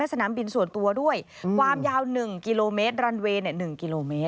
สนามบินส่วนตัวด้วยความยาว๑กิโลเมตรรันเวย์๑กิโลเมตร